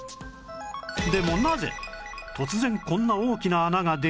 でもなぜ突然こんな大きな穴ができるのか？